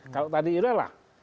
kalau tadi iya lah